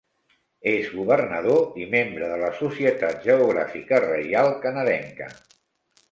És governador i membre de la Societat Geogràfica Reial Canadenca.